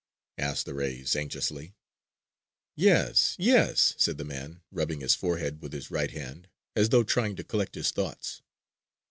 asked the rays anxiously. "Yes ... yes ..." said the man, rubbing his forehead with his right hand, as though trying to collect his thoughts.